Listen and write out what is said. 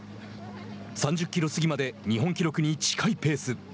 ３０キロ過ぎまで日本記録に近いペース。